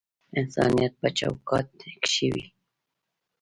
انسانیت په چوکاټ کښی وی